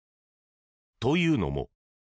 というのも。